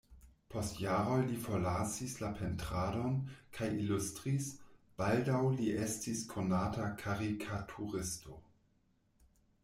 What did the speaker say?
Post jaroj li forlasis la pentradon kaj ilustris, baldaŭ li estis konata karikaturisto.